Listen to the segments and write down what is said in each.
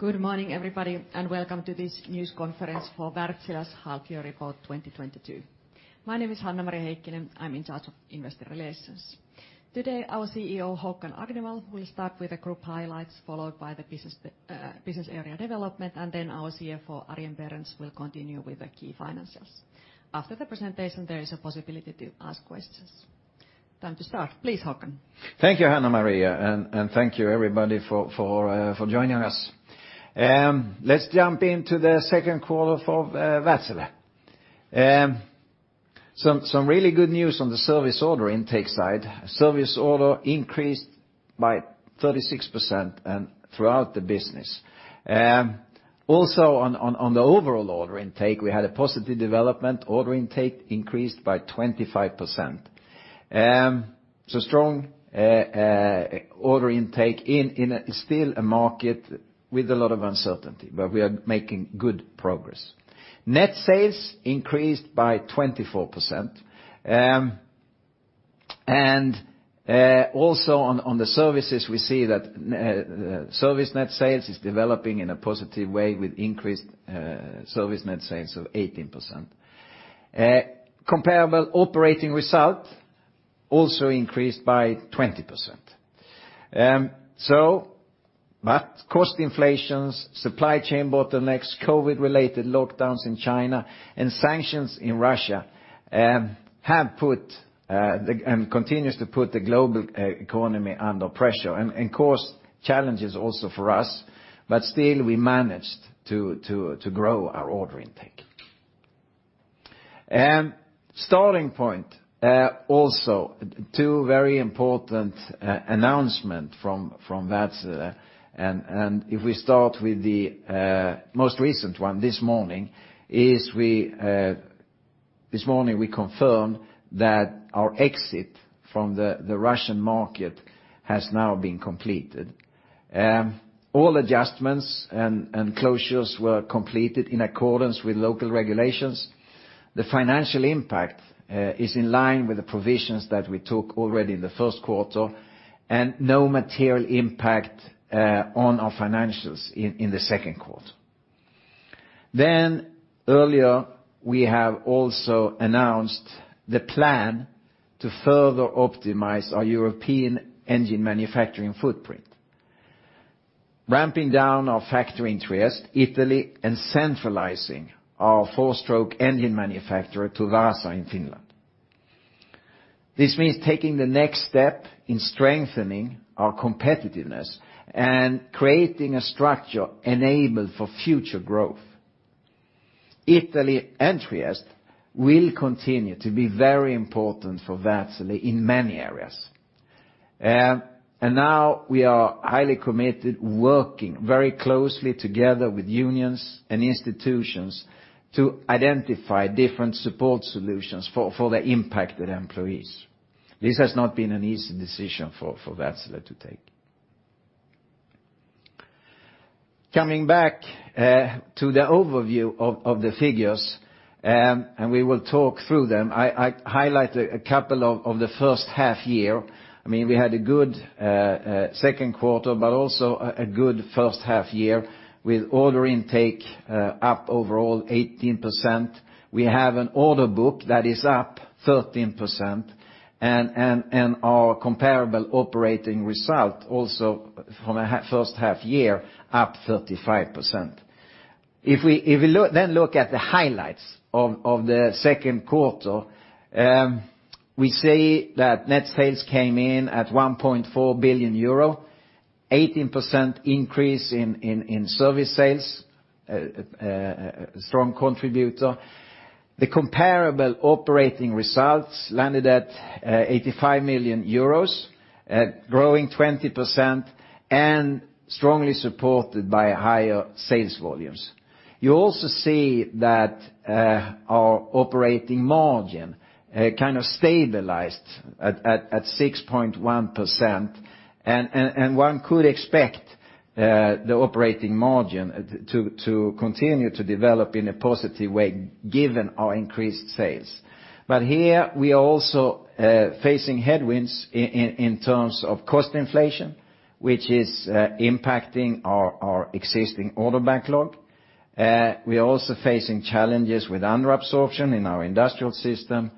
Good morning, everybody, and welcome to this news conference for Wärtsilä's half-year report 2022. My name is Hanna-Maria Heikkinen. I'm in charge of investor relations. Today, our CEO, Håkan Agnevall, will start with the group highlights, followed by the business area development, and then our CFO, Arjen Berends, will continue with the key financials. After the presentation, there is a possibility to ask questions. Time to start. Please, Håkan. Thank you, Hanna-Maria, and thank you, everybody, for joining us. Let's jump into the second quarter for Wärtsilä. Some really good news on the service order intake side. Service order increased by 36% and throughout the business. Also on the overall order intake, we had a positive development. Order intake increased by 25%. Strong order intake in a still a market with a lot of uncertainty, but we are making good progress. Net sales increased by 24%. Also on the services, we see that service net sales is developing in a positive way with increased service net sales of 18%. Comparable operating result also increased by 20%. Cost inflations, supply chain bottlenecks, COVID-related lockdowns in China, and sanctions in Russia have put and continues to put the global economy under pressure and caused challenges also for us, but still we managed to grow our order intake. Starting point also two very important announcement from Wärtsilä. If we start with the most recent one this morning, this morning we confirmed that our exit from the Russian market has now been completed. All adjustments and closures were completed in accordance with local regulations. The financial impact is in line with the provisions that we took already in the first quarter, and no material impact on our financials in the second quarter. Earlier, we have also announced the plan to further optimize our European engine manufacturing footprint, ramping down our factory in Trieste, Italy, and centralizing our four-stroke engine manufacturer to Vaasa in Finland. This means taking the next step in strengthening our competitiveness and creating a structure enabled for future growth. Italy and Trieste will continue to be very important for Wärtsilä in many areas. Now we are highly committed, working very closely together with unions and institutions to identify different support solutions for the impacted employees. This has not been an easy decision for Wärtsilä to take. Coming back to the overview of the figures, we will talk through them. I highlight a couple of the first half year. I mean, we had a good second quarter, but also a good first half year with order intake up overall 18%. We have an order book that is up 13% and our comparable operating result also from a first half year up 35%. If we look at the highlights of the second quarter, we see that net sales came in at 1.4 billion euro, 18% increase in service sales, strong contributor. The comparable operating results landed at 85 million euros, growing 20% and strongly supported by higher sales volumes. You also see that our operating margin kind of stabilized at 6.1%, and one could expect the operating margin to continue to develop in a positive way given our increased sales. Here we are also facing headwinds in terms of cost inflation, which is impacting our existing order backlog. We are also facing challenges with under absorption in our industrial system.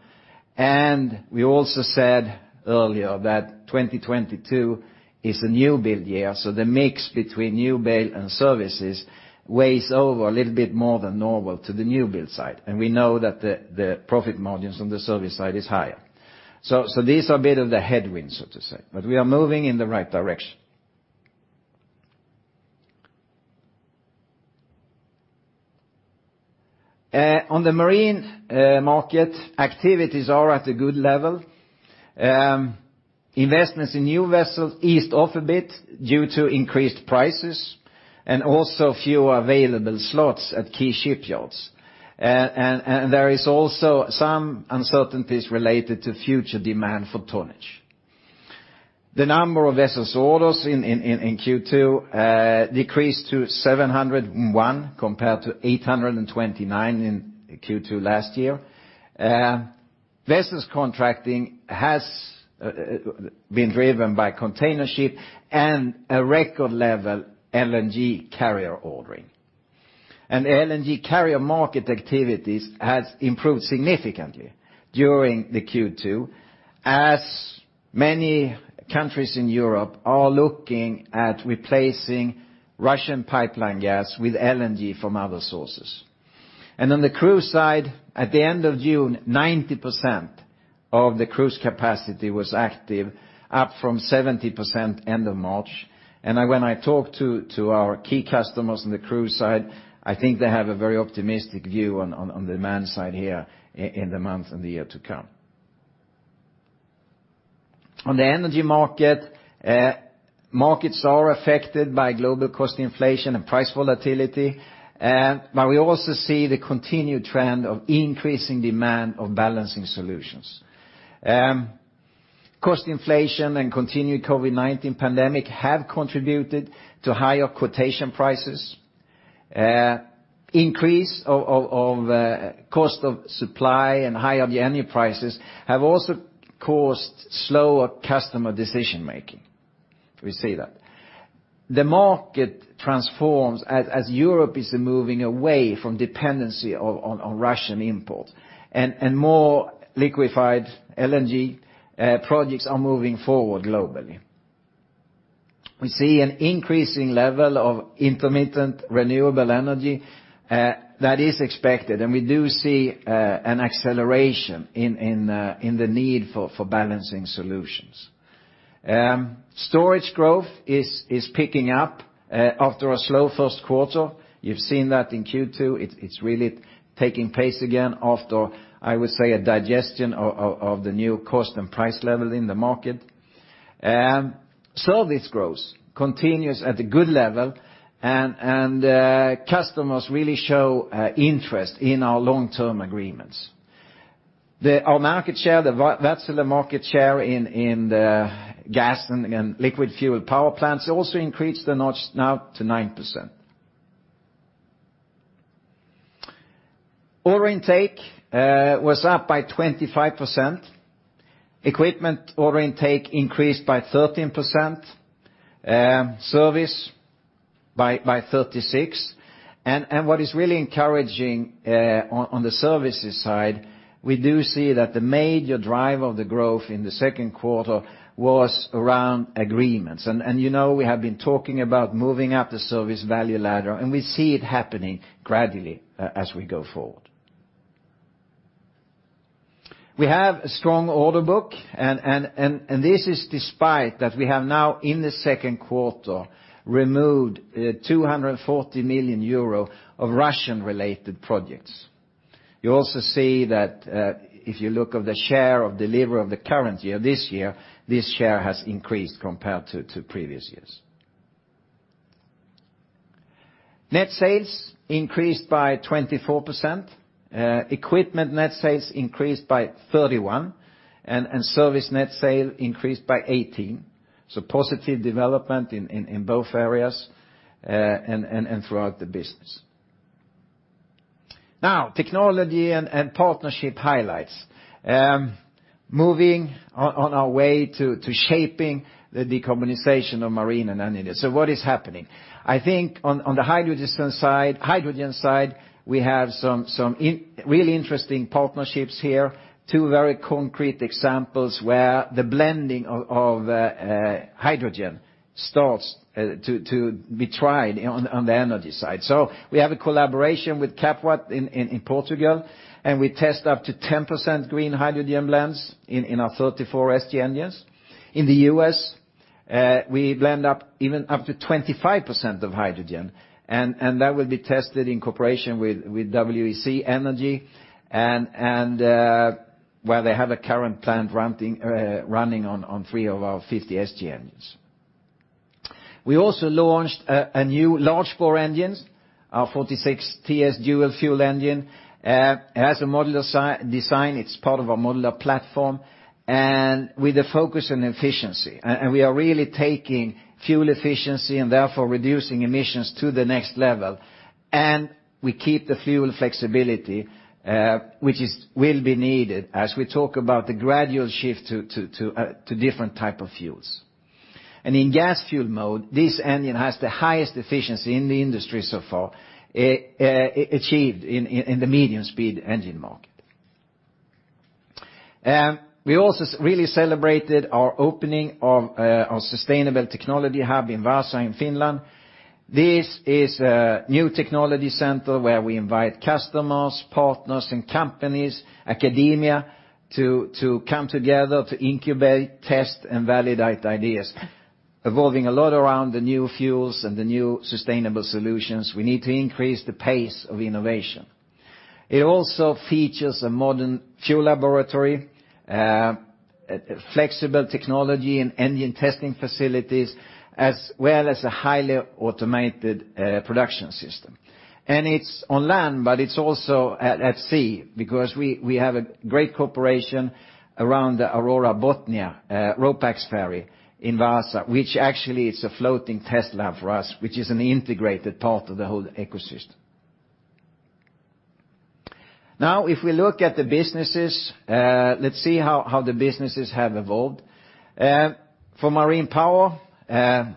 We also said earlier that 2022 is a new build year, so the mix between new build and services weighs over a little bit more than normal to the new build side. We know that the profit margins on the service side is higher. These are a bit of the headwinds, so to say, but we are moving in the right direction. On the marine market, activities are at a good level. Investments in new vessels eased off a bit due to increased prices and also fewer available slots at key shipyards. There is also some uncertainties related to future demand for tonnage. The number of vessels orders in Q2 decreased to 701 compared to 829 in Q2 last year. Vessels contracting has been driven by container ship and a record level LNG carrier ordering. LNG carrier market activities has improved significantly during the Q2, as many countries in Europe are looking at replacing Russian pipeline gas with LNG from other sources. On the cruise side, at the end of June, 90% of the cruise capacity was active, up from 70% end of March. When I talk to our key customers on the cruise side, I think they have a very optimistic view on demand side here in the months and the year to come. On the energy market, markets are affected by global cost inflation and price volatility. But we also see the continued trend of increasing demand of balancing solutions. Cost inflation and continued COVID-19 pandemic have contributed to higher quotation prices. Increase of cost of supply and higher LNG prices have also caused slower customer decision-making. We see that. The market transforms as Europe is moving away from dependency on Russian import, and more liquefied LNG projects are moving forward globally. We see an increasing level of intermittent renewable energy that is expected, and we do see an acceleration in the need for balancing solutions. Storage growth is picking up after a slow first quarter. You've seen that in Q2. It's really taking pace again after, I would say, a digestion of the new cost and price level in the market. Service growth continues at a good level, and customers really show interest in our long-term agreements. Our market share, the overall market share in the gas and liquid fuel power plants also increased a notch now to 9%. Order intake was up by 25%. Equipment order intake increased by 13%, service by 36%, and what is really encouraging, on the services side, we do see that the major driver of the growth in the second quarter was around agreements. You know, we have been talking about moving up the service value ladder, and we see it happening gradually, as we go forward. We have a strong order book and this is despite that we have now in the second quarter removed 240 million euro of Russian-related projects. You also see that, if you look at the share of delivery of the current year, this year, this share has increased compared to previous years. Net sales increased by 24%. Equipment net sales increased by 31%, and service net sales increased by 18%, so positive development in both areas, and throughout the business. Now, technology and partnership highlights. Moving on our way to shaping the decarbonization of marine and energy. What is happening? I think on the hydrogen side, we have some really interesting partnerships here. Two very concrete examples where the blending of hydrogen starts to be tried on the energy side. We have a collaboration with Capwatt in Portugal, and we test up to 10% green hydrogen blends in our 34SG engines. In the US, we blend up even up to 25% of hydrogen, and that will be tested in cooperation with WEC Energy Group, where they have a current plant running on three of our 50SG engines. We also launched a new large bore engines, our 46 TS dual fuel engine. It has a modular design. It's part of our modular platform, with a focus on efficiency. We are really taking fuel efficiency and therefore reducing emissions to the next level. We keep the fuel flexibility, which will be needed as we talk about the gradual shift to different type of fuels. In gas fuel mode, this engine has the highest efficiency in the industry so far, achieved in the medium speed engine market. We also really celebrated our opening of our Sustainable Technology Hub in Vaasa, Finland. This is a new technology center where we invite customers, partners, and companies, academia to come together to incubate, test, and validate ideas, evolving a lot around the new fuels and the new sustainable solutions. We need to increase the pace of innovation. It also features a modern fuel laboratory, flexible technology and engine testing facilities, as well as a highly automated production system. It's on land, but it's also at sea because we have a great cooperation around the Aurora Botnia, RoPax ferry in Vaasa, which actually is a floating test lab for us, which is an integrated part of the whole ecosystem. Now, if we look at the businesses, let's see how the businesses have evolved. For Marine Power,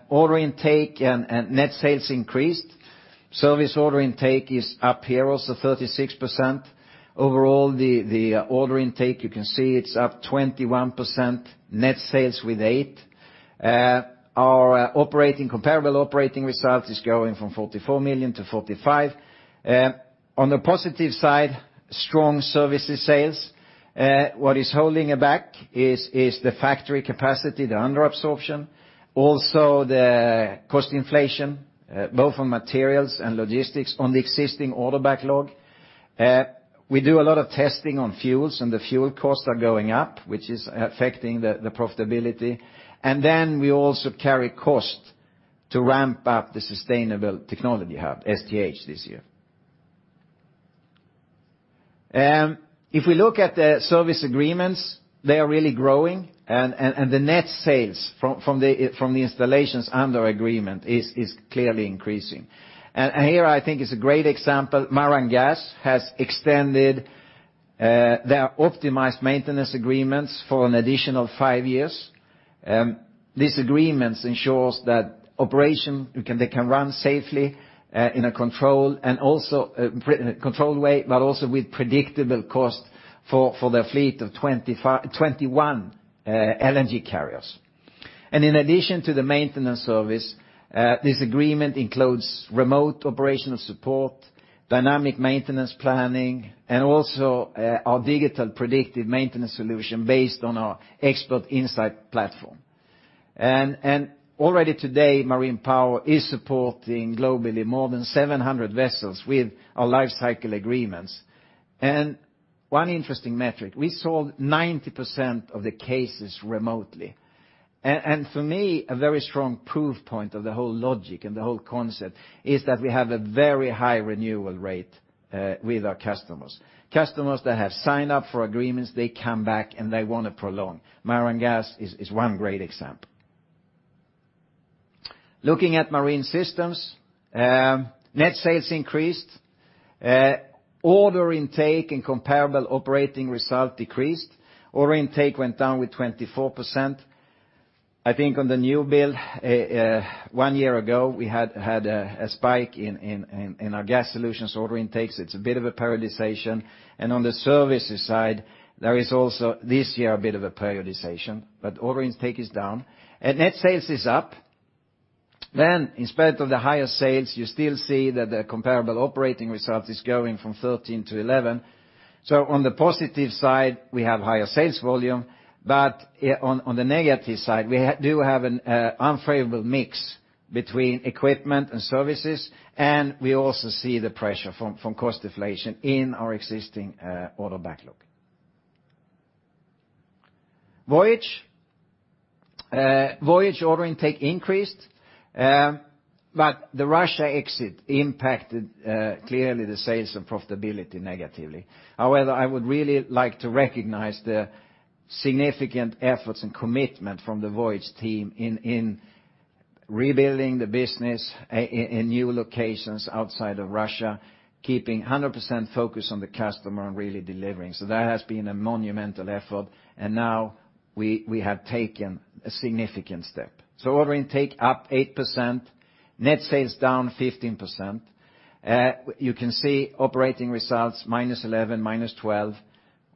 order intake and net sales increased. Service order intake is up here also 36%. Overall, the order intake, you can see it's up 21%, net sales with 8%. Our comparable operating result is going from 44 million to 45 million. On the positive side, strong services sales. What is holding it back is the factory capacity, the under absorption, also the cost inflation, both on materials and logistics on the existing order backlog. We do a lot of testing on fuels, and the fuel costs are going up, which is affecting the profitability. Then we also carry cost to ramp up the Sustainable Technology Hub, STH, this year. If we look at the service agreements, they are really growing and the net sales from the installations under agreement is clearly increasing. Here I think is a great example. Maran Gas has extended their optimized maintenance agreements for an additional five years. These agreements ensures that operation they can run safely in a controlled way, but also with predictable cost for their fleet of 21 LNG carriers. In addition to the maintenance service, this agreement includes remote operational support, dynamic maintenance planning, and our digital predictive maintenance solution based on our Expert Insight platform. Already today, Marine Power is supporting globally more than 700 vessels with our lifecycle agreements. One interesting metric, we solved 90% of the cases remotely. For me, a very strong proof point of the whole logic and the whole concept is that we have a very high renewal rate with our customers. Customers that have signed up for agreements, they come back and they wanna prolong. Maran Gas is one great example. Looking at Marine Systems, net sales increased. Order intake and comparable operating result decreased. Order intake went down with 24%. I think on the new build, one year ago, we had a spike in our Gas Solutions order intakes. It's a bit of a periodization. On the services side, there is also this year a bit of a periodization, but order intake is down. Net sales is up. In spite of the higher sales, you still see that the comparable operating result is going from 13 to 11. On the positive side, we have higher sales volume, but on the negative side, we have an unfavorable mix between equipment and services, and we also see the pressure from cost deflation in our existing order backlog. Voyage order intake increased, but the Russia exit impacted clearly the sales and profitability negatively. However, I would really like to recognize the significant efforts and commitment from the Voyage team in rebuilding the business in new locations outside of Russia, keeping 100% focus on the customer and really delivering. That has been a monumental effort, and now we have taken a significant step. Order intake up 8%, net sales down 15%. You can see operating results -11, -12.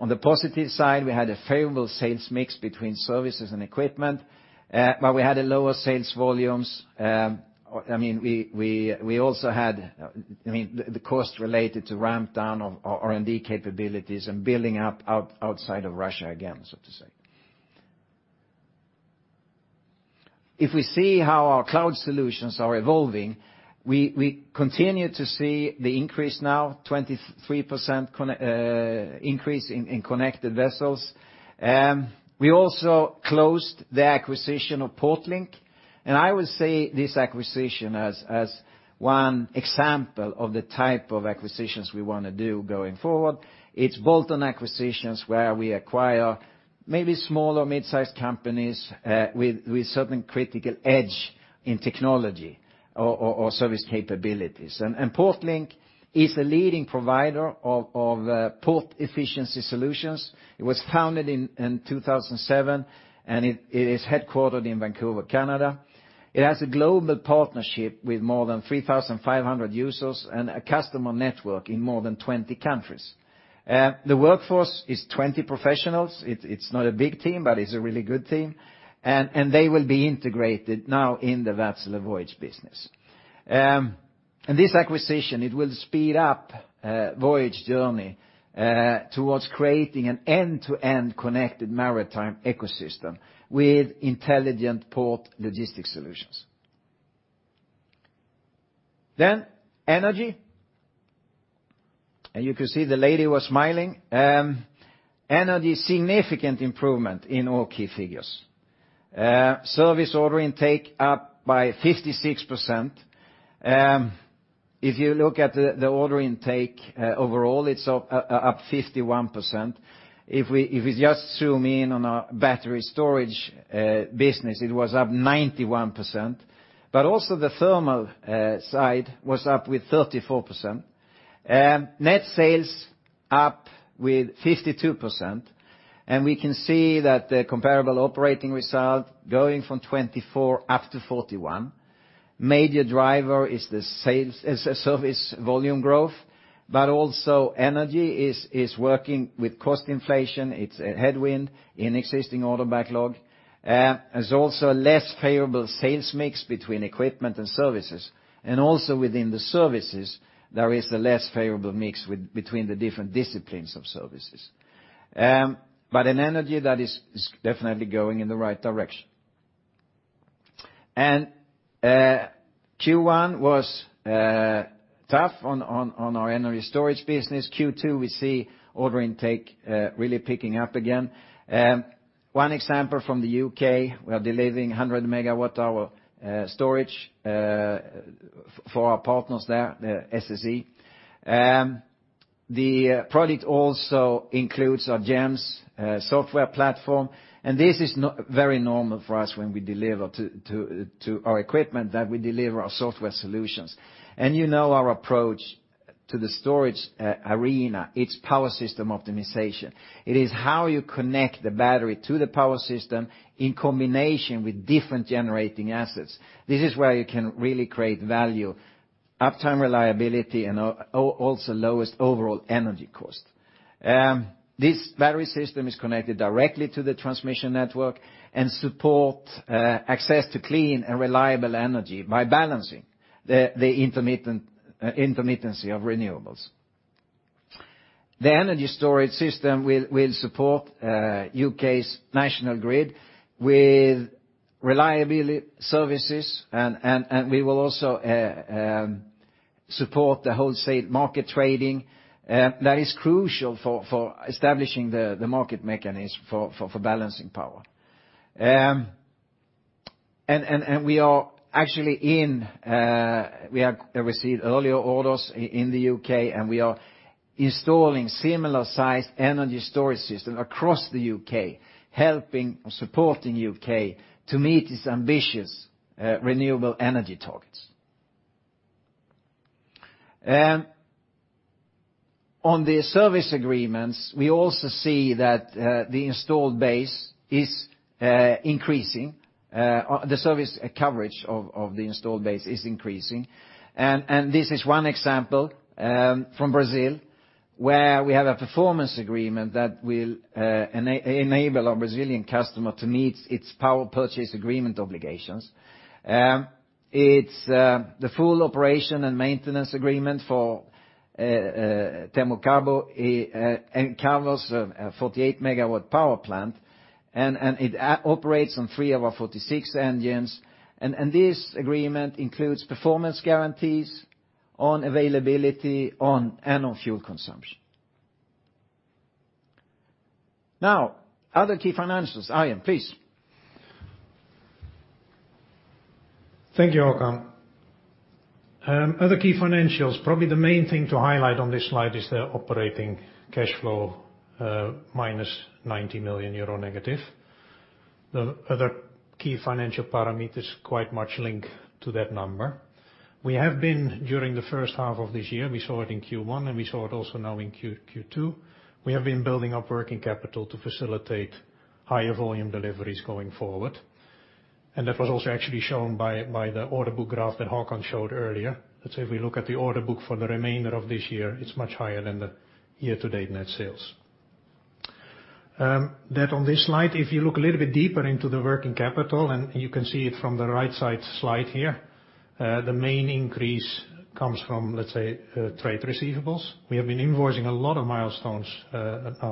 On the positive side, we had a favorable sales mix between services and equipment, but we had a lower sales volumes. I mean, we also had the cost related to ramp down of our R&D capabilities and building up outside of Russia again, so to say. If we see how our cloud solutions are evolving, we continue to see the increase now, 23% increase in connected vessels. We also closed the acquisition of PortLink, and I will say this acquisition as one example of the type of acquisitions we wanna do going forward. It's bolt-on acquisitions where we acquire maybe small or mid-sized companies with certain critical edge in technology or service capabilities. PortLink is a leading provider of port efficiency solutions. It was founded in 2007, and it is headquartered in Vancouver, Canada. It has a global partnership with more than 3,500 users and a customer network in more than 20 countries. The workforce is 20 professionals. It's not a big team, but it's a really good team. They will be integrated now in the Wärtsilä Voyage business. This acquisition will speed up Voyage journey towards creating an end-to-end connected maritime ecosystem with intelligent port logistics solutions. Energy. You can see the lady was smiling. Energy, significant improvement in all key figures. Service order intake up by 56%. If you look at the order intake overall, it's up 51%. If we just zoom in on our battery storage business, it was up 91%. Also the thermal side was up with 34%. Net sales up with 52%, and we can see that the comparable operating result going from 24 up to 41. Major driver is the sales as a service volume growth, but also energy is working with cost inflation. It's a headwind in existing order backlog. There's also a less favorable sales mix between equipment and services, and also within the services, there is the less favorable mix between the different disciplines of services. In energy that is definitely going in the right direction. Q1 was tough on our energy storage business. Q2, we see order intake really picking up again. One example from the UK, we are delivering 100 MWh storage for our partners there, SSE. The product also includes our GEMS software platform, and this is not very normal for us when we deliver our equipment that we deliver our software solutions. You know our approach to the storage arena, it's power system optimization. It is how you connect the battery to the power system in combination with different generating assets. This is where you can really create value, uptime, reliability and also lowest overall energy cost. This battery system is connected directly to the transmission network and supports access to clean and reliable energy by balancing the intermittency of renewables. The energy storage system will support UK's national grid with reliability services and we will also support the wholesale market trading that is crucial for establishing the market mechanism for balancing power. We have received earlier orders in the UK, and we are installing similar-sized energy storage system across the UK, helping or supporting UK to meet its ambitious renewable energy targets. On the service agreements, we also see that the installed base is increasing, the service coverage of the installed base is increasing. This is one example from Brazil, where we have a performance agreement that will enable our Brazilian customer to meet its power purchase agreement obligations. It's the full operation and maintenance agreement for Termocabo. It covers a 48 MW power plant, and it operates on three of our 46 engines. This agreement includes performance guarantees on availability and on fuel consumption. Now, other key financials. Arjen, please. Thank you, Håkan. Other key financials, probably the main thing to highlight on this slide is the operating cash flow, minus 90 million euro negative. The other key financial parameters quite much link to that number. During the first half of this year, we saw it in Q1, and we saw it also now in Q2. We have been building up working capital to facilitate higher volume deliveries going forward. That was also actually shown by the order book graph that Håkan showed earlier. Let's say if we look at the order book for the remainder of this year, it's much higher than the year-to-date net sales. On this slide, if you look a little bit deeper into the working capital, and you can see it from the right side slide here, the main increase comes from, let's say, trade receivables. We have been invoicing a lot of milestones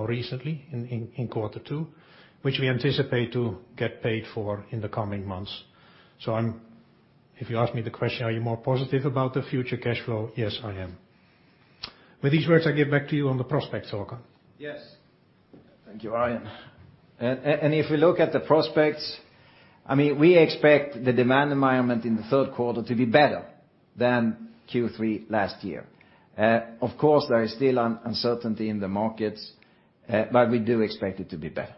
recently in quarter two, which we anticipate to get paid for in the coming months. If you ask me the question, are you more positive about the future cash flow? Yes, I am. With these words, I give back to you on the prospects, Håkan. Yes. Thank you, Arjen. If we look at the prospects, I mean, we expect the demand environment in the third quarter to be better than Q3 last year. Of course, there is still uncertainty in the markets, but we do expect it to be better.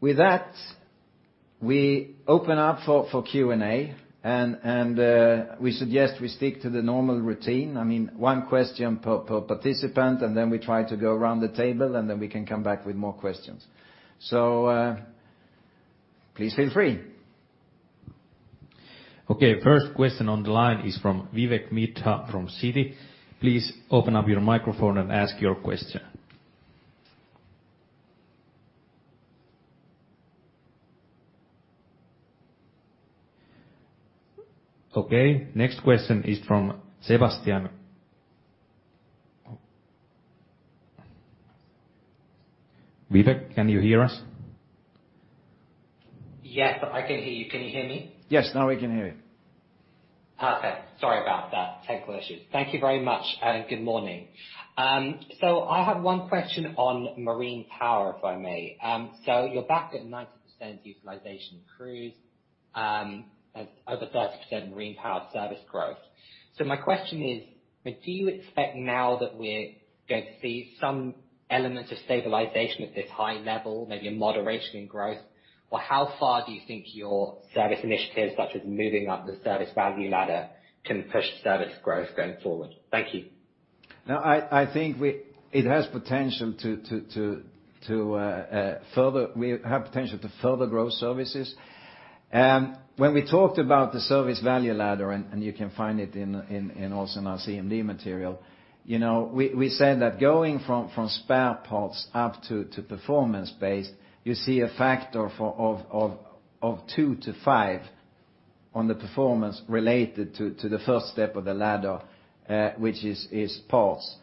With that, we open up for Q&A, and we suggest we stick to the normal routine. I mean, one question per participant, and then we try to go around the table, and then we can come back with more questions. Please feel free. Okay, first question on the line is from Vivek Midha from Citi. Please open up your microphone and ask your question. Okay, next question is from Sebastian. Vivek, can you hear us? Yes, I can hear you. Can you hear me? Yes, now we can hear you. Okay, sorry about that. Technical issues. Thank you very much and good morning. I have one question on Marine Power, if I may. You're back at 90% utilization cruise, as over 30% Marine Power service growth. My question is- Do you expect now that we're going to see some elements of stabilization at this high level, maybe a moderation in growth? How far do you think your service initiatives, such as moving up the service value ladder, can push service growth going forward? Thank you. No, I think we have potential to further grow services. When we talked about the service value ladder, and you can find it also in our CMD material, we said that going from spare parts up to performance-based, you see a factor of 2-5 on the performance related to the first step of the ladder, which is parts.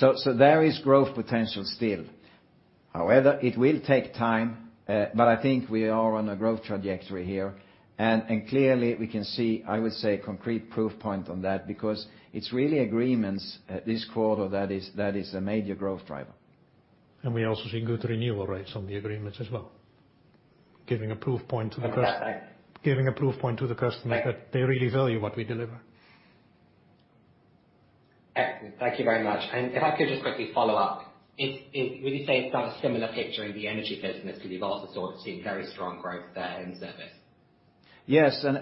There is growth potential still. However, it will take time, but I think we are on a growth trajectory here, and clearly we can see, I would say, concrete proof point on that because it's really agreements this quarter that is a major growth driver. We also see good renewal rates on the agreements as well. And, and- Giving a proof point to the customer. Right that they really value what we deliver. Excellent. Thank you very much. If I could just quickly follow up. Would you say it's done a similar picture in the energy business, 'cause you've also sort of seen very strong growth there in service? Yes, and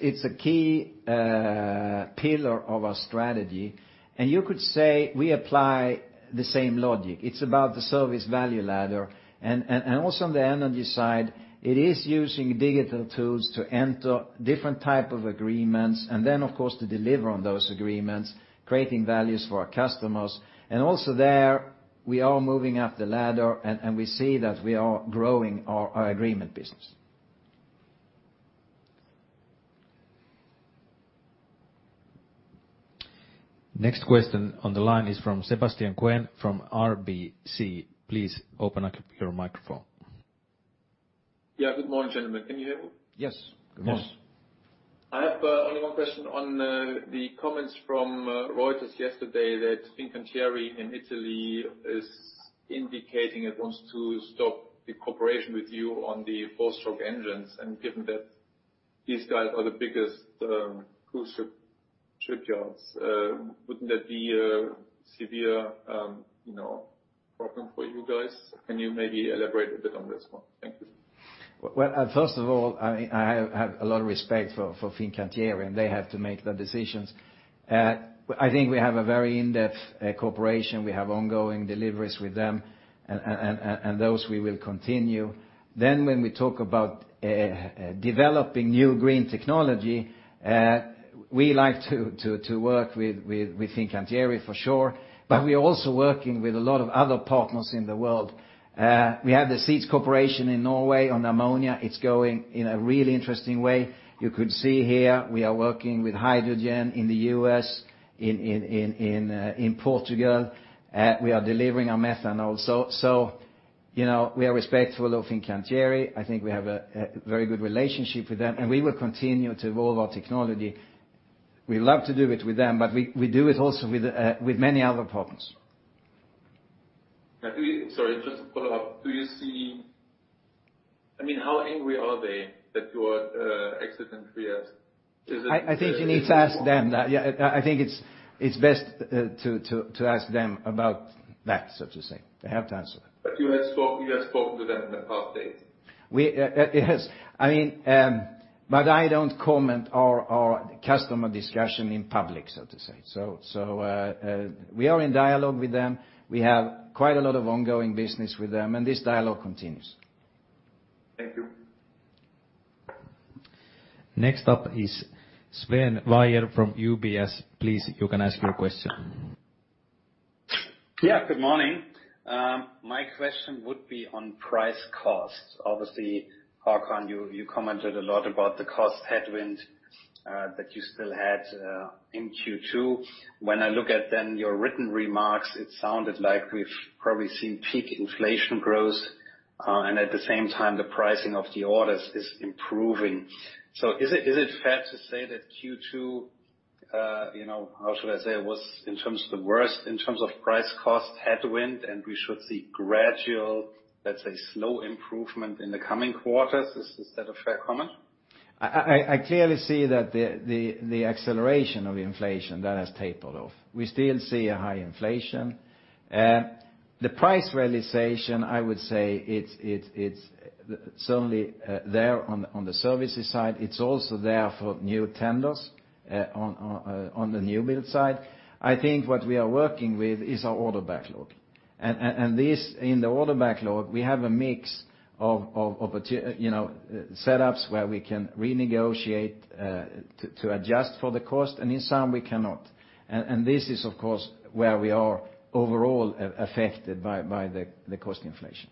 it's a key pillar of our strategy. You could say we apply the same logic. It's about the service value ladder. Also on the energy side, it is using digital tools to enter different type of agreements and then, of course, to deliver on those agreements, creating values for our customers. Also there, we are moving up the ladder and we see that we are growing our agreement business. Next question on the line is from Sebastian Kuenne from RBC. Please open up your microphone. Yeah, good morning, gentlemen. Can you hear me? Yes. Good morning. Yes. I have only one question on the comments from Reuters yesterday that Fincantieri in Italy is indicating it wants to stop the cooperation with you on the four-stroke engines. Given that these guys are the biggest cruise ship shipyards, wouldn't that be a severe you know problem for you guys? Can you maybe elaborate a bit on this one? Thank you. Well, first of all, I have a lot of respect for Fincantieri, and they have to make their decisions. I think we have a very in-depth cooperation. We have ongoing deliveries with them and those we will continue. When we talk about developing new green technology, we like to work with Fincantieri for sure, but we're also working with a lot of other partners in the world. We have the ZEEDS Corporation in Norway on ammonia. It's going in a really interesting way. You could see here we are working with hydrogen in the US, in Portugal. We are delivering on methanol. You know, we are respectful of Fincantieri. I think we have a very good relationship with them, and we will continue to evolve our technology. We love to do it with them, but we do it also with many other partners. Sorry, just to follow up. I mean, how angry are they that you are exiting Fincantieri? Is it- I think you need to ask them that. Yeah. I think it's best to ask them about that, so to say. They have to answer that. You have spoken to them in the past days? Yes. I mean, but I don't comment on our customer discussion in public, so to say. We are in dialogue with them. We have quite a lot of ongoing business with them, and this dialogue continues. Thank you. Next up is Sven Weier from UBS. Please, you can ask your question. Yeah, good morning. My question would be on price costs. Obviously, Håkan, you commented a lot about the cost headwind that you still had in Q2. When I look at then your written remarks, it sounded like we've probably seen peak inflation growth, and at the same time the pricing of the orders is improving. Is it fair to say that Q2, how should I say, was in terms of the worst in terms of price cost headwind, and we should see gradual, let's say, slow improvement in the coming quarters? Is that a fair comment? I clearly see that the acceleration of inflation that has tapered off. We still see a high inflation. The price realization, I would say it's certainly there on the services side. It's also there for new tenders on the new build side. I think what we are working with is our order backlog. This in the order backlog, we have a mix of You know, setups where we can renegotiate to adjust for the cost, and in some we cannot. This is of course where we are overall affected by the cost inflation.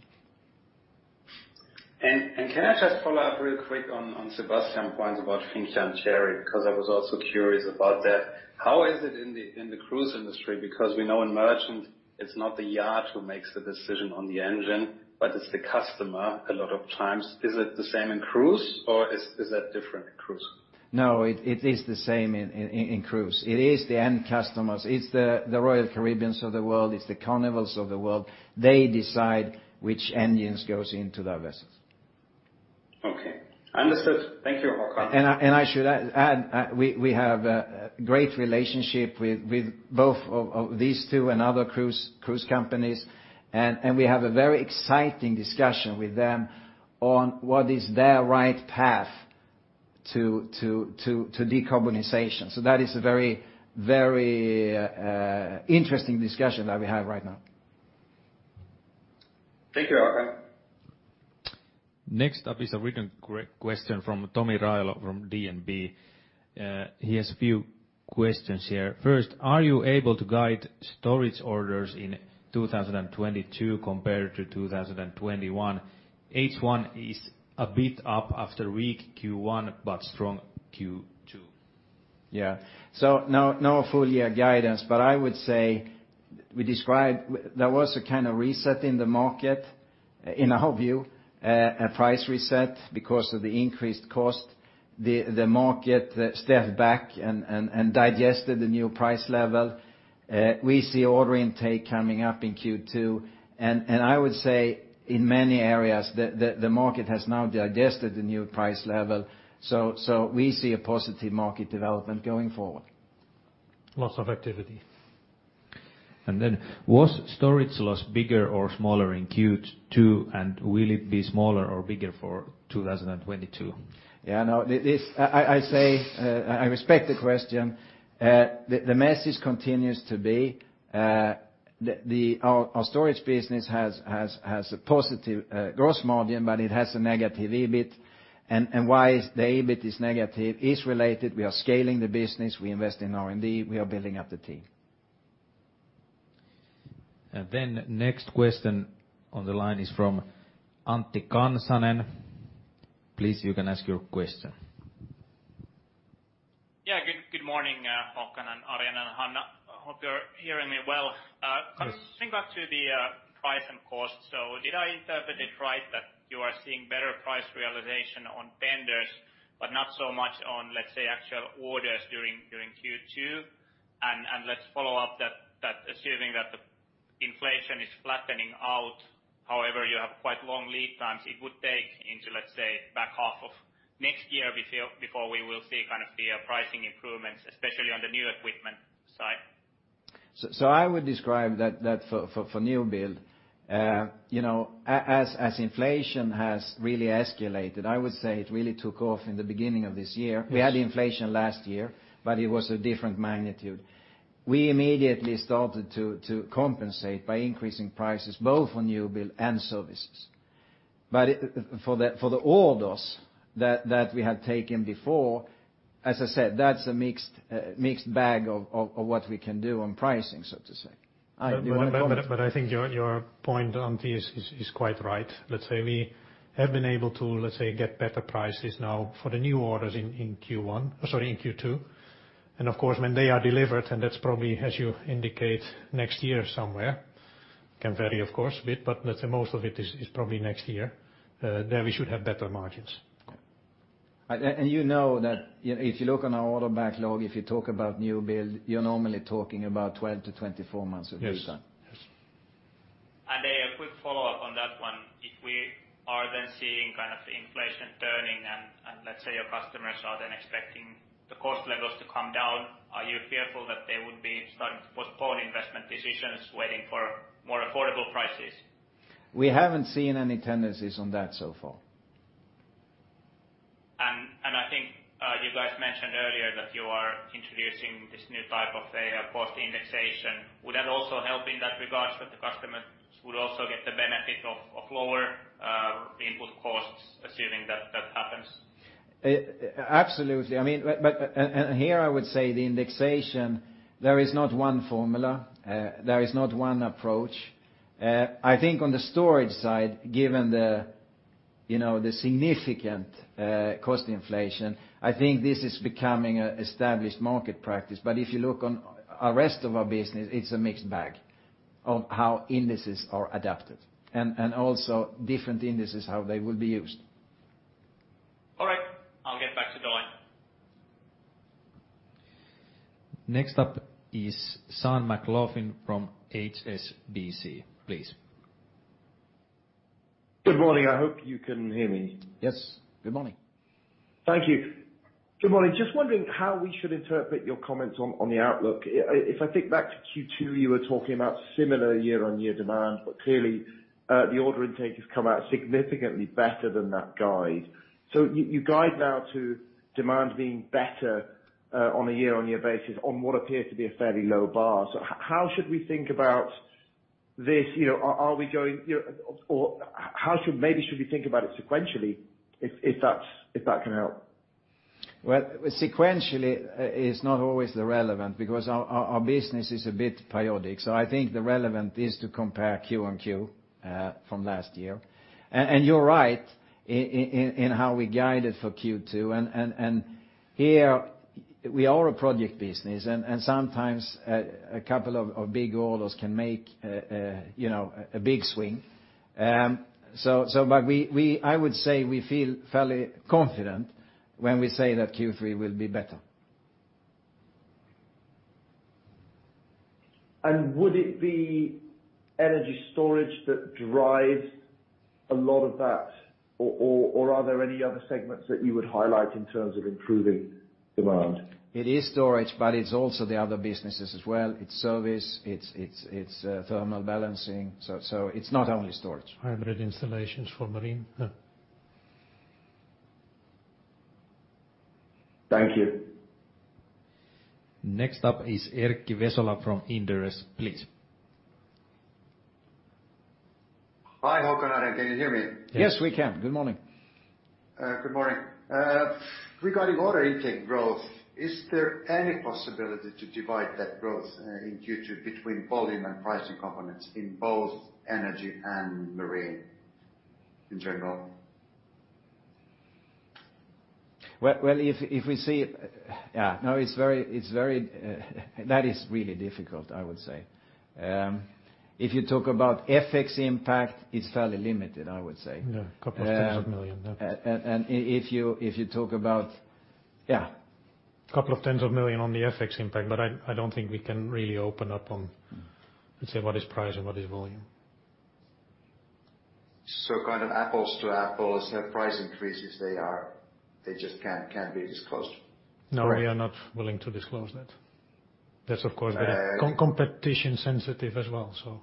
Can I just follow up real quick on Sebastian's points about Fincantieri, because I was also curious about that. How is it in the cruise industry. Because we know in merchant it's not the yard who makes the decision on the engine, but it's the customer a lot of times. Is it the same in cruise, or is that different in cruise. No, it is the same in cruise. It is the end customers. It's the Royal Caribbean of the world, it's the Carnival of the world. They decide which engines goes into their vessels. Okay. Understood. Thank you, Håkan. I should add we have a great relationship with both of these two and other cruise companies. We have a very exciting discussion with them on what is their right path to decarbonization. That is a very interesting discussion that we have right now. Thank you, Håkan. Next up is a written question from Tommy Railo from DNB. He has a few questions here. First, are you able to guide storage orders in 2022 compared to 2021? H1 is a bit up after weak Q1, but strong Q2. Yeah. No full year guidance, but I would say we described there was a kind of reset in the market, in our view, a price reset because of the increased cost. The market stepped back and digested the new price level. We see order intake coming up in Q2. I would say in many areas the market has now digested the new price level. We see a positive market development going forward. Lots of activity. Was storage loss bigger or smaller in Q2, and will it be smaller or bigger for 2022? Yeah, no, I respect the question. The message continues to be our storage business has a positive gross margin, but it has a negative EBIT. Why the EBIT is negative is related. We are scaling the business. We invest in R&D. We are building up the team. Next question on the line is from Antti Kansanen. Please, you can ask your question. Yeah. Good morning, Håkan and Arjen and Hanna-Maria. Hope you're hearing me well. Yes Coming back to the price and cost. Did I interpret it right that you are seeing better price realization on vendors, but not so much on, let's say, actual orders during Q2? Let's follow up that assuming that the inflation is flattening out, however, you have quite long lead times it would take into, let's say, back half of next year before we will see kind of the pricing improvements, especially on the new equipment side. I would describe that for new build, you know, as inflation has really escalated, I would say it really took off in the beginning of this year. Yes. We had inflation last year, but it was a different magnitude. We immediately started to compensate by increasing prices both on new build and services. It, for the orders that we had taken before, as I said, that's a mixed bag of what we can do on pricing, so to say. I think your point, Antti, is quite right. Let's say we have been able to, let's say, get better prices now for the new orders in Q1, sorry, in Q2. Of course, when they are delivered, and that's probably, as you indicate, next year somewhere, can vary of course a bit, but let's say most of it is probably next year, there we should have better margins. you know that if you look on our order backlog, if you talk about new build, you're normally talking about 12-24 months of lead time. Yes. Yes. A quick follow-up on that one. If we are then seeing kind of the inflation turning and let's say your customers are then expecting the cost levels to come down, are you fearful that they would be starting to postpone investment decisions waiting for more affordable prices? We haven't seen any tendencies on that so far. I think you guys mentioned earlier that you are introducing this new type of a cost indexation. Would that also help in that regard that the customers would also get the benefit of lower input costs, assuming that happens? Absolutely. I mean, here I would say the indexation, there is not one formula, there is not one approach. I think on the storage side, given the, you know, the significant cost inflation, I think this is becoming an established market practice. If you look on the rest of our business, it's a mixed bag of how indices are adapted and also different indices, how they will be used. All right. I'll get back to the line. Next up is Sam McLaughlin from HSBC, please. Good morning. I hope you can hear me. Yes. Good morning. Thank you. Good morning. Just wondering how we should interpret your comments on the outlook. If I think back to Q2, you were talking about similar year-on-year demand, but clearly, the order intake has come out significantly better than that guide. You guide now to demand being better, on a year-on-year basis on what appears to be a fairly low bar. How should we think about this? You know, are we going? You know, or how should? Maybe we should think about it sequentially if that's, if that can help? Well, sequentially is not always relevant because our business is a bit periodic. I think the relevant is to compare Q-on-Q from last year. You're right in how we guided for Q2. Here we are a project business and sometimes a couple of big orders can make you know a big swing. But I would say we feel fairly confident when we say that Q3 will be better. Would it be energy storage that drives a lot of that, or are there any other segments that you would highlight in terms of improving demand? It is storage, but it's also the other businesses as well. It's service, it's thermal balancing. It's not only storage. Hybrid installations for marine. Thank you. Next up is Erkki Vesola from Inderes, please. Hi, Håkan. Can you hear me? Yes, we can. Good morning. Good morning. Regarding order intake growth, is there any possibility to divide that growth in Q2 between volume and pricing components in both energy and marine in general? That is really difficult, I would say. If you talk about FX impact, it's fairly limited, I would say. Yeah, EUR a couple of tens of million, yeah. If you talk about, yeah. A couple of tens of millions EUR on the FX impact, but I don't think we can really open up on, let's say, what is price and what is volume. Kind of apples to apples, the price increases, they just can't be disclosed? No, we are not willing to disclose that. That's, of course. Uh- Competition sensitive as well, so.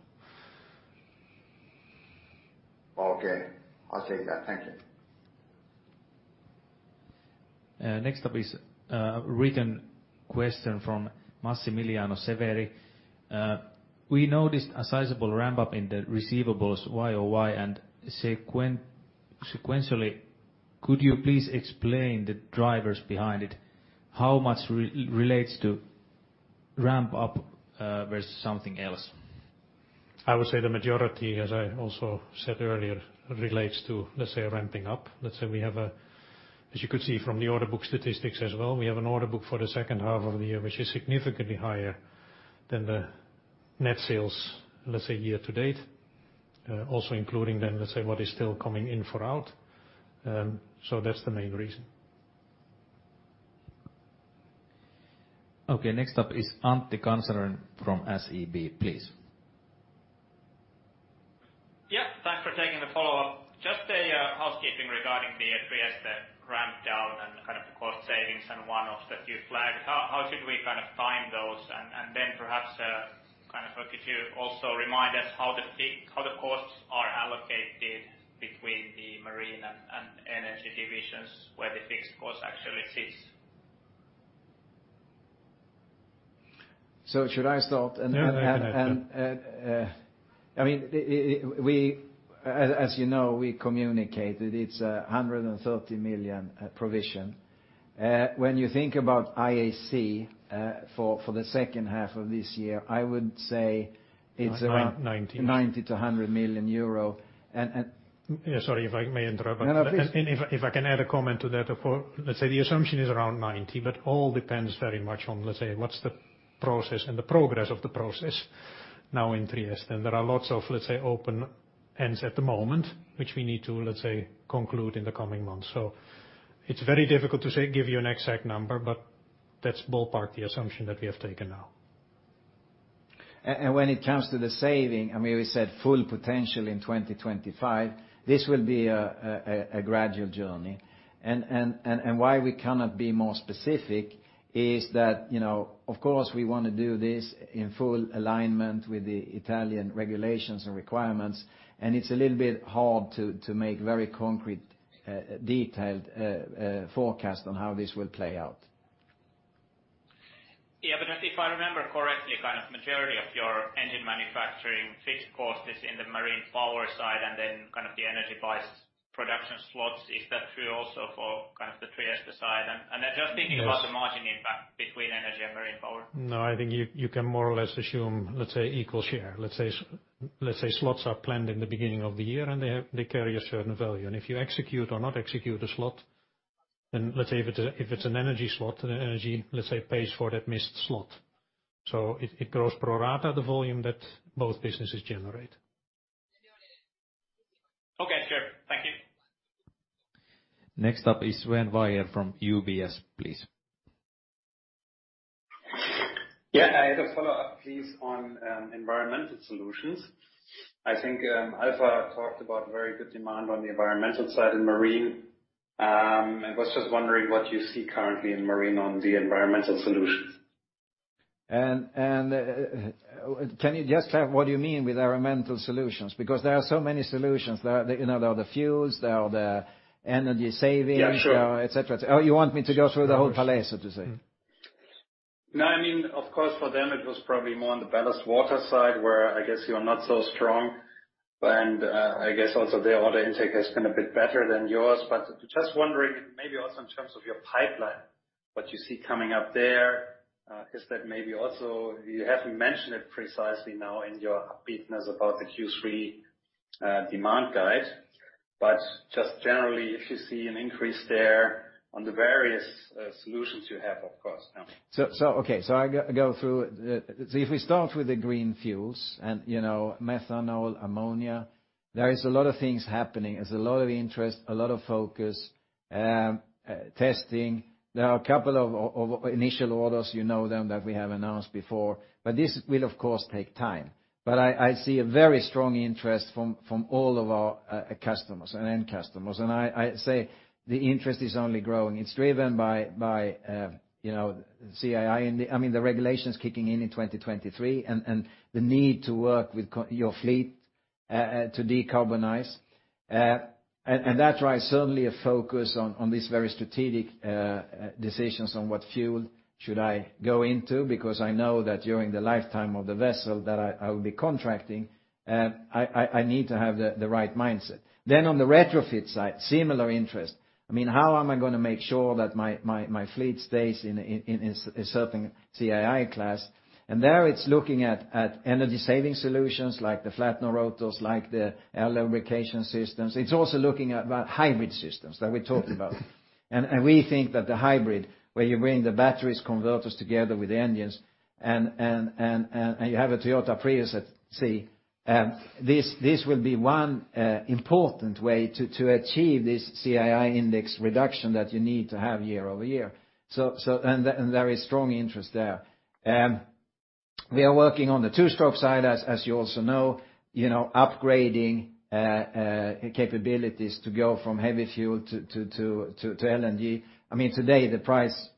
Okay. I'll take that. Thank you. Next up is a written question from Massimiliano Severi. We noticed a sizable ramp-up in the receivables YOY and sequentially. Could you please explain the drivers behind it? How much relates to ramp up, versus something else? I would say the majority, as I also said earlier, relates to, let's say, ramping up. Let's say we have. As you could see from the order book statistics as well, we have an order book for the second half of the year, which is significantly higher than the net sales, let's say, year-to-date. Also including then, let's say, what is still coming in for out. That's the main reason. Okay, next up is Antti Kansanen from SEB, please. Yeah, thanks for taking the follow-up. Just a housekeeping regarding the Trieste ramp down and kind of cost savings and one-offs that you flagged. How should we kind of time those? Perhaps kind of could you also remind us how the costs are allocated between the marine and energy divisions, where the fixed cost actually sits. Should I start? Yeah. I mean, as you know, we communicated it's 130 million provision. When you think about IAC, for the second half of this year, I would say it's around- Ninety. 90 million-100 million euro. Yeah, sorry if I may interrupt. No, no, please. If I can add a comment to that. Of course. Let's say the assumption is around 90, but all depends very much on, let's say, what's the process and the progress of the process now in Trieste. There are lots of, let's say, open ends at the moment, which we need to, let's say, conclude in the coming months. It's very difficult to say, give you an exact number, but that's ballpark the assumption that we have taken now. When it comes to the saving, I mean, we said full potential in 2025. This will be a gradual journey. Why we cannot be more specific is that, you know, of course, we wanna do this in full alignment with the Italian regulations and requirements, and it's a little bit hard to make very concrete, detailed forecast on how this will play out. Yeah, but if I remember correctly, kind of majority of your engine manufacturing fixed cost is in the Marine Power side and then kind of the energy-based production costs. Is that true also for kind of the Trieste side? Yes. The margin impact between Energy and Marine Power. No, I think you can more or less assume, let's say, equal share. Let's say slots are planned in the beginning of the year, and they carry a certain value. If you execute or not execute a slot, then let's say if it's an energy slot, then energy, let's say, pays for that missed slot. It grows pro rata, the volume that both businesses generate. Okay, sure. Thank you. Next up is Sven Weier from UBS, please. Yeah, I had a follow-up, please, on environmental solutions. I think, Alfa Laval talked about very good demand on the environmental side in marine. I was just wondering what you see currently in marine on the environmental solutions. What do you mean with environmental solutions? Because there are so many solutions. There are, you know, there are the fuels, there are the energy savings. Yeah, sure. Et cetera. Oh, you want me to go through the whole palette, so to say? No, I mean, of course, for them, it was probably more on the ballast water side, where I guess you are not so strong. I guess also their order intake has been a bit better than yours. Just wondering, maybe also in terms of your pipeline, what you see coming up there. Is that maybe also. You haven't mentioned it precisely now in your upbeatness about the Q3 demand guide. Just generally, if you see an increase there on the various solutions you have, of course. I go through. If we start with the green fuels and, you know, methanol, ammonia, there is a lot of things happening. There's a lot of interest, a lot of focus. Testing. There are a couple of initial orders, you know them, that we have announced before, but this will of course take time. I see a very strong interest from all of our customers and end customers, and I say the interest is only growing. It's driven by, you know, CII, the regulations kicking in in 2023 and the need to work with customers' fleet to decarbonize. That drives certainly a focus on these very strategic decisions on what fuel should I go into, because I know that during the lifetime of the vessel that I will be contracting, I need to have the right mindset. On the retrofit side, similar interest. I mean, how am I gonna make sure that my fleet stays in a certain CII class? There, it's looking at energy-saving solutions like the Flettner rotors, like the air lubrication systems. It's also looking at about hybrid systems that we talked about. We think that the hybrid, where you bring the batteries converters together with the engines and you have a Toyota Prius at sea, this will be one important way to achieve this CII index reduction that you need to have year-over-year. There is strong interest there. We are working on the two-stroke side, as you also know, you know, upgrading capabilities to go from heavy fuel to LNG. I mean, today, the price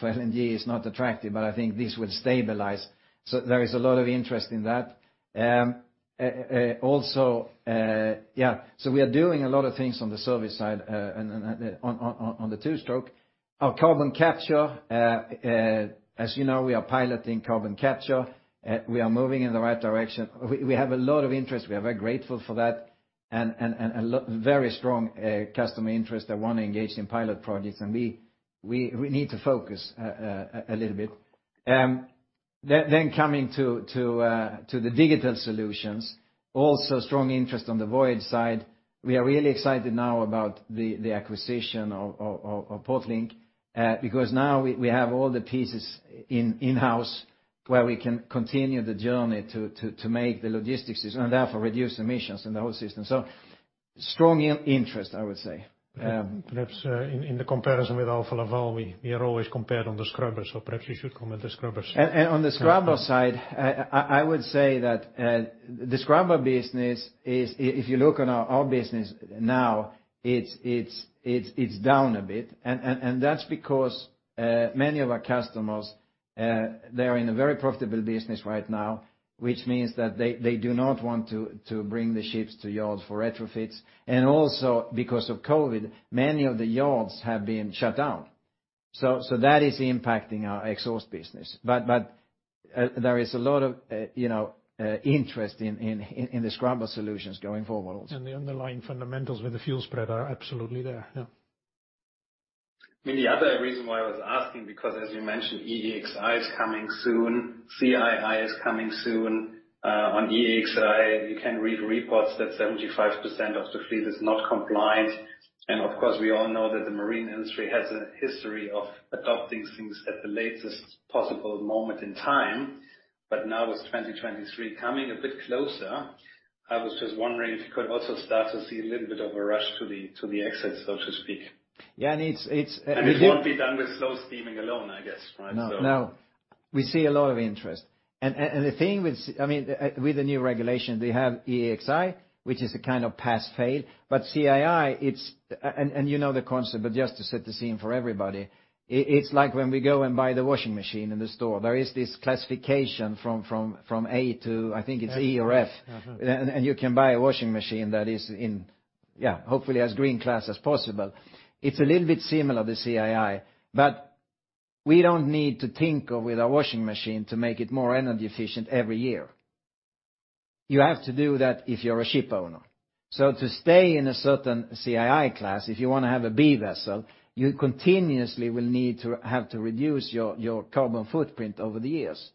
for LNG is not attractive, but I think this will stabilize. There is a lot of interest in that. We are doing a lot of things on the service side and on the two-stroke. Our carbon capture, as you know, we are piloting carbon capture. We are moving in the right direction. We have a lot of interest. We are very grateful for that and very strong customer interest that wanna engage in pilot projects, and we need to focus a little bit. Coming to the digital solutions, also strong interest on the Voyage side. We are really excited now about the acquisition of PortLink, because now we have all the pieces in-house where we can continue the journey to make the logistics system and therefore reduce emissions in the whole system. Strong interest, I would say. Perhaps, in the comparison with Alfa Laval, we are always compared on the scrubber, so perhaps you should comment the scrubbers. On the scrubber side, I would say that the scrubber business is. If you look at our business now, it's down a bit, and that's because many of our customers, they're in a very profitable business right now, which means that they do not want to bring the ships to yard for retrofits. Also because of COVID, many of the yards have been shut down. That is impacting our exhaust business. There is a lot of, you know, interest in the scrubber solutions going forward also. The underlying fundamentals with the fuel spread are absolutely there. Yeah. The other reason why I was asking, because as you mentioned, EEXI is coming soon, CII is coming soon. On EEXI, we can read reports that 75% of the fleet is not compliant. Of course, we all know that the marine industry has a history of adopting things at the latest possible moment in time. Now with 2023 coming a bit closer, I was just wondering if you could also start to see a little bit of a rush to the exits, so to speak. Yeah, it's. It won't be done with slow steaming alone, I guess, right? No, no. We see a lot of interest. The thing with, I mean, with the new regulation, they have EEXI, which is a kind of pass-fail. CII, it's and you know the concept, but just to set the scene for everybody, it's like when we go and buy the washing machine in the store, there is this classification from A to, I think it's E or F. Mm-hmm. You can buy a washing machine that is in, yeah, hopefully as green class as possible. It's a little bit similar, the CII, but we don't need to tinker with our washing machine to make it more energy efficient every year. You have to do that if you're a ship owner. To stay in a certain CII class, if you wanna have a B vessel, you continuously will need to have to reduce your carbon footprint over the years.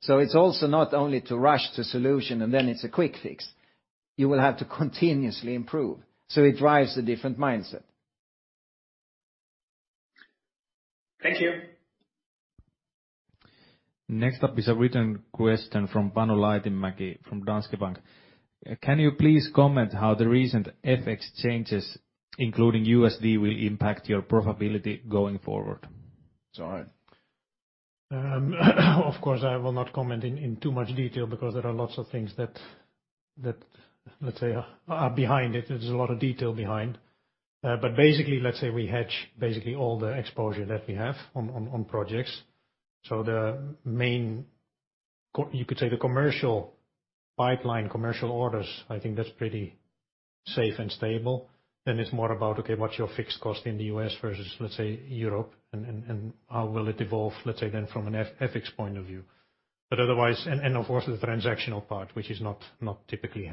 It's also not only to rush to solution, and then it's a quick fix. You will have to continuously improve. It drives a different mindset. Thank you. Next up is a written question from Panu Laitinmäki from Danske Bank. Can you please comment how the recent FX changes, including USD, will impact your profitability going forward? Of course, I will not comment in too much detail because there are lots of things that, let's say, are behind it. There's a lot of detail behind. Basically, let's say we hedge basically all the exposure that we have on projects. The main, you could say the commercial pipeline, commercial orders, I think that's pretty safe and stable. Then it's more about, okay, what's your fixed cost in the US versus, let's say, Europe, and how will it evolve, let's say, then from an FX point of view. Otherwise, of course, the transactional part, which is not typically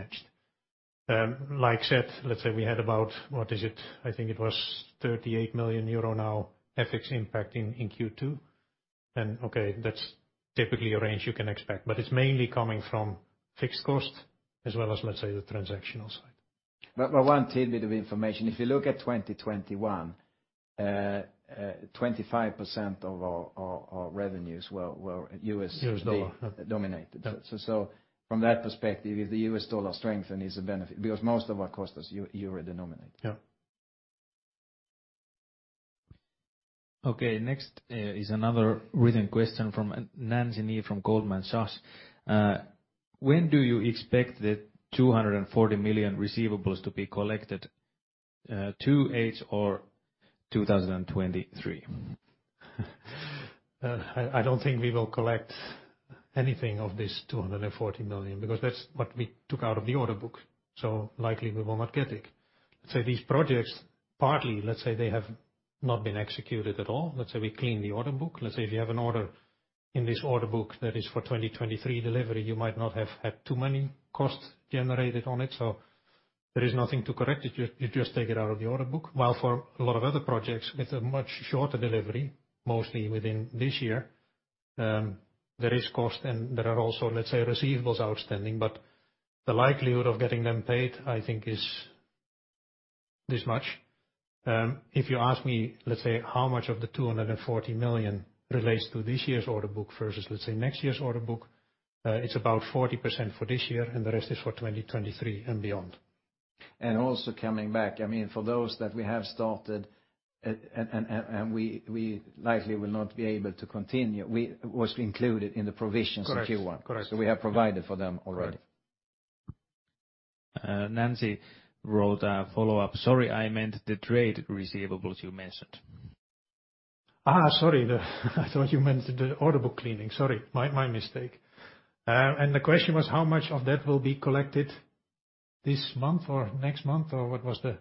hedged. Like said, let's say we had about, what is it? I think it was 38 million euro negative FX impact in Q2. Okay, that's typically a range you can expect, but it's mainly coming from fixed cost as well as, let's say, the transactional side. one tidbit of information, if you look at 2021, 25% of our revenues were USD denominated US dollar ...dominated. Yeah. From that perspective, if the US dollar strengthening is a benefit because most of our cost is euro denominated. Yeah. Okay. Next, is another written question from Nancy Ni from Goldman Sachs. When do you expect the 240 million receivables to be collected, 2028 or 2023? I don't think we will collect anything of this 240 million, because that's what we took out of the order book, so likely we will not get it. These projects, partly, let's say, they have not been executed at all. Let's say we clean the order book. Let's say if you have an order in this order book that is for 2023 delivery, you might not have had too many costs generated on it. There is nothing to correct it. You just take it out of the order book. While for a lot of other projects, it's a much shorter delivery, mostly within this year. There is cost, and there are also, let's say, receivables outstanding, but the likelihood of getting them paid, I think, is this much. If you ask me, let's say, how much of the 240 million relates to this year's order book versus, let's say, next year's order book, it's about 40% for this year, and the rest is for 2023 and beyond. Also coming back, I mean, for those that we have started and we likely will not be able to continue. Was included in the provisions. Correct. If you want. Correct. We have provided for them already. Right. Nancy wrote a follow-up. Sorry, I meant the trade receivables you mentioned. Sorry. I thought you meant the order book cleaning. Sorry, my mistake. The question was how much of that will be collected this month or next month, or what was the?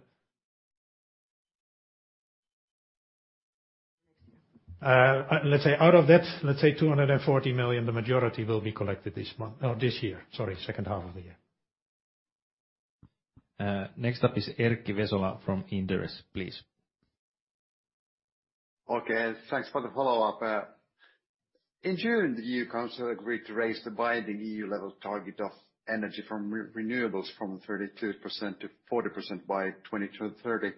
Next year. Let's say out of that, let's say 240 million, the majority will be collected this month or this year. Sorry, second half of the year. Next up is Erkki Vesola from Inderes, please. Okay. Thanks for the follow-up. In June, the EU Council agreed to raise the binding EU level target of energy from renewables from 32% to 40% by 2030.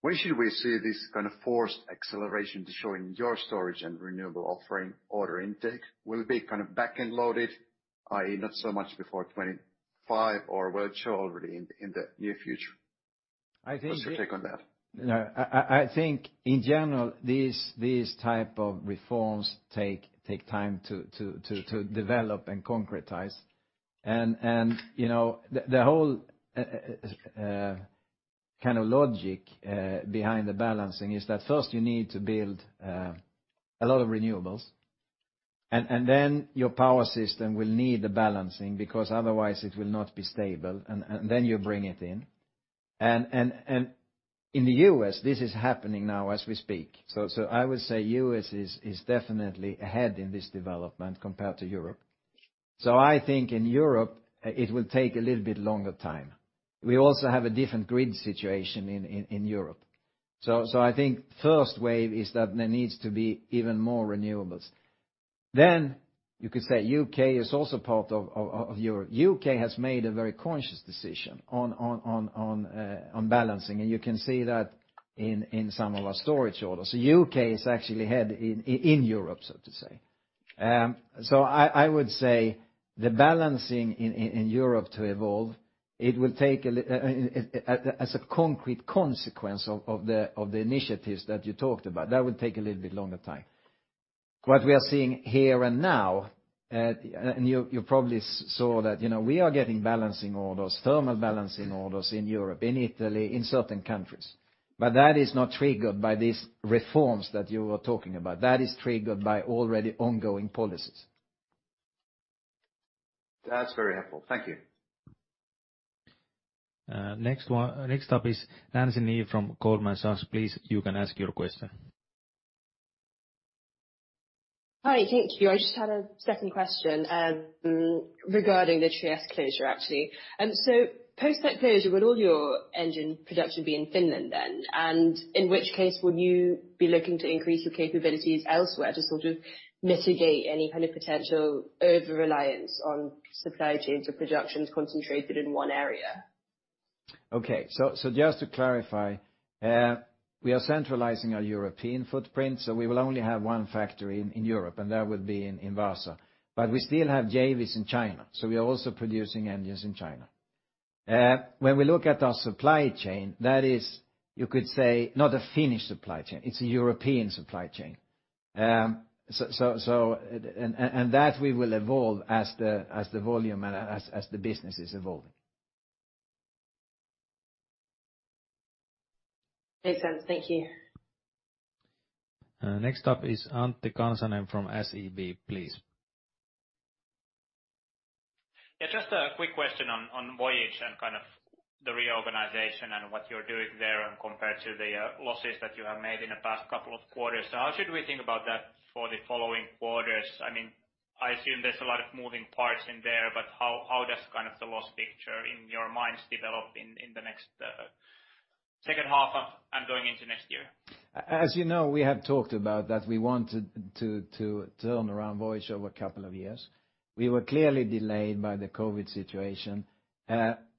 When should we see this kind of forced acceleration to show in your storage and renewable offering order intake? Will it be kind of back-end loaded, i.e., not so much before 2025 or will it show already in the near future? I think- What's your take on that? No. I think in general, these type of reforms take time to develop and concretize. You know, the whole kind of logic behind the balancing is that first you need to build a lot of renewables. Then your power system will need the balancing because otherwise it will not be stable, then you bring it in. In the US, this is happening now as we speak. I would say US is definitely ahead in this development compared to Europe. I think in Europe, it will take a little bit longer time. We also have a different grid situation in Europe. I think first wave is that there needs to be even more renewables. You could say UK is also part of Europe. UK has made a very conscious decision on balancing, and you can see that in some of our storage orders. UK is actually ahead in Europe, so to say. I would say the balancing in Europe to evolve, it will take a little bit longer time. As a concrete consequence of the initiatives that you talked about, that would take a little bit longer time. What we are seeing here and now, and you probably saw that, you know, we are getting balancing orders, thermal balancing orders in Europe, in Italy, in certain countries. That is not triggered by these reforms that you are talking about. That is triggered by already ongoing policies. That's very helpful. Thank you. Next up is Nancy Ni from Goldman Sachs. Please, you can ask your question. Hi. Thank you. I just had a second question, regarding the Trieste closure, actually. Post that closure, would all your engine production be in Finland then? In which case, would you be looking to increase your capabilities elsewhere to sort of mitigate any kind of potential over-reliance on supply chains or productions concentrated in one area? Okay. Just to clarify, we are centralizing our European footprint, so we will only have one factory in Europe, and that would be in Vaasa. We still have JVs in China, so we are also producing engines in China. When we look at our supply chain, that is, you could say, not a Finnish supply chain, it's a European supply chain that we will evolve as the volume and as the business is evolving. Makes sense. Thank you. Next up is Antti Kansanen from SEB, please. Yeah, just a quick question on Voyage and kind of the reorganization and what you're doing there compared to the losses that you have made in the past couple of quarters. How should we think about that for the following quarters? I mean, I assume there's a lot of moving parts in there, but how does kind of the loss picture in your minds develop in the next second half of and going into next year? As you know, we have talked about that we want to turn around Voyage over a couple of years. We were clearly delayed by the COVID situation.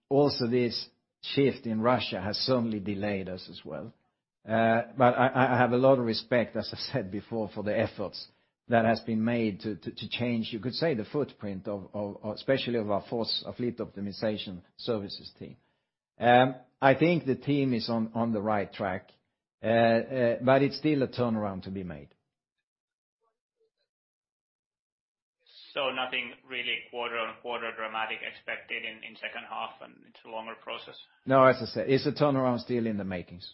Also this shift in Russia has certainly delayed us as well. I have a lot of respect, as I said before, for the efforts that has been made to change, you could say the footprint of especially of our fleet optimization services team. I think the team is on the right track. It's still a turnaround to be made. Nothing really quarter-on-quarter dramatic expected in second half, and it's a longer process? No, as I said, it's a turnaround still in the makings.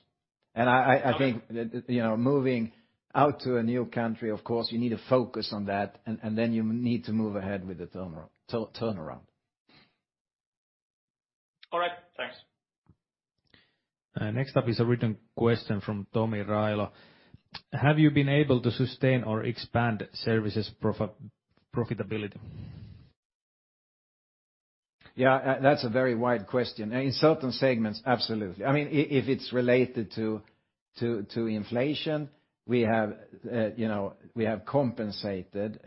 I think- Okay You know, moving out to a new country, of course, you need to focus on that and then you need to move ahead with the turnaround. All right. Thanks. Next up is a written question from Tommy Railo. Have you been able to sustain or expand services profitability? Yeah, that's a very wide question. In certain segments, absolutely. I mean, if it's related to inflation, we have, you know, we have compensated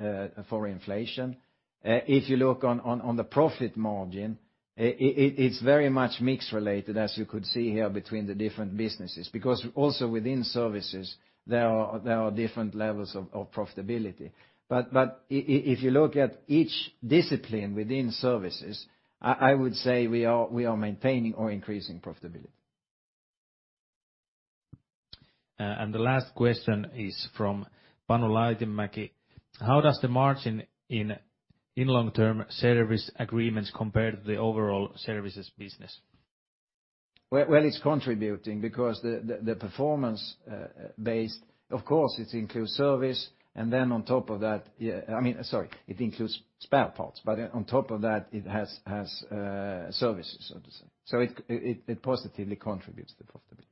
for inflation. If you look on the profit margin, it's very much mix related as you could see here between the different businesses, because also within services, there are different levels of profitability. If you look at each discipline within services, I would say we are maintaining or increasing profitability. The last question is from Panu Laitinmäki. How does the margin in long-term service agreements compare to the overall services business? Well, it's contributing because the performance, based, of course, it includes service. On top of that, yeah, I mean, sorry, it includes spare parts, but on top of that, it has services, so to say. It positively contributes to profitability.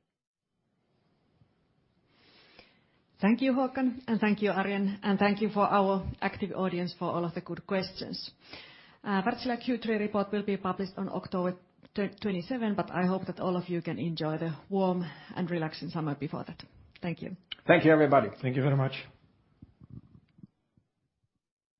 Thank you, Håkan, and thank you, Arjen, and thank you for our active audience for all of the good questions. Wärtsilä Q3 report will be published on October 27, but I hope that all of you can enjoy the warm and relaxing summer before that. Thank you. Thank you, everybody. Thank you very much.